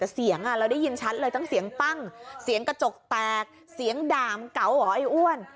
เสียงด่ามึงเก๋าหวะไอ้อ้วน